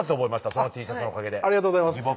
そのＴシャツのおかげでありがとうございます